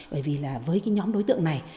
bởi vì là với cái nhóm đối tượng này